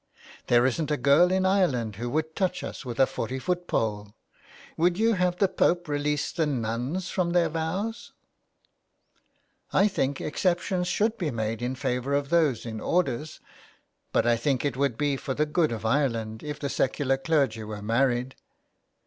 There isn't a girl in Ireland who would touch us with a forty foot pole. Would you have the Pope release the nuns from their vows ?" 185 * A LETTER TO ROME. " I think exceptions should be made in favour of those in orders. But I think it would be for the good of Ireland if the secular clergy were married.